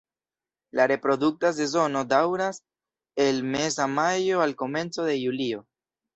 La reprodukta sezono daŭras el meza majo al komenco de julio.